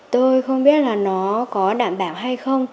tôi không biết là nó có đảm bảo hay không